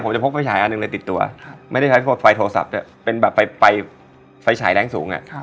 ผมจะพกไฟฉายอันหนึ่งเลยติดตัวไม่ได้ใช้ไฟโทรศัพท์เป็นแบบไฟฉายแรงสูง